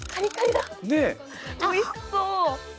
おいしそう。